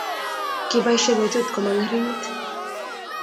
kiboisie betut koman keringet